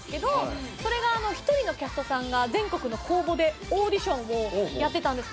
それが１人のキャストさんが全国の公募でオーディションをやってたんですけど。